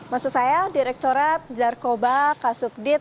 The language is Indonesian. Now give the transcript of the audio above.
maksud saya direkturat jarkoba kasubdit